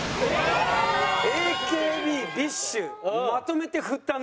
ＡＫＢＢｉＳＨまとめてフッたね。